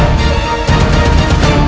aku akan menemukanmu